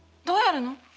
どうやるの？